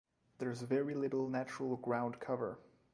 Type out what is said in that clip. There's very little natural ground cover.